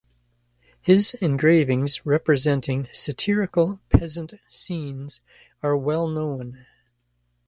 His engravings representing satirical peasant scenes are well known.